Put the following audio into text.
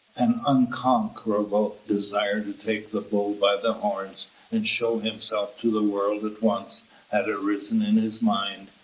An unconquerable desire to take the bull by the horns, and show himself to the world at once, had arisen in his mind.